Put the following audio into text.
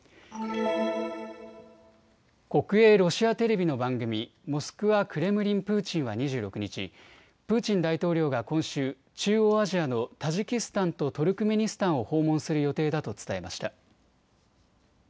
国営ロシアテレビの番組、モスクワ・クレムリン・プーチンは２６日、プーチン大統領が今週中央アジアのタジキスタンとトルクメニスタンを訪問する予定だと伝えました。